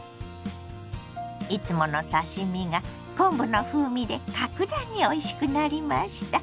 いつもの刺し身が昆布の風味で格段においしくなりました。